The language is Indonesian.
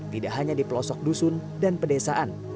tidak hanya di pelosok dusun dan pedesaan